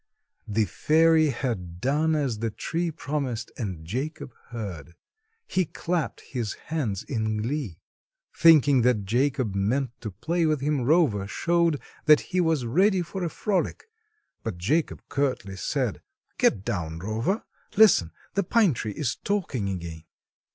The fairy had done as the tree promised, and Jacob heard. He clapped his hands in glee. Thinking that Jacob meant to play with him, Rover showed that he was ready for a frolic. But Jacob curtly said, "Get down, Rover! Listen—the pine tree is talking again."